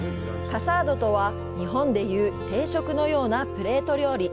カサードとは日本でいう定食のようなプレート料理。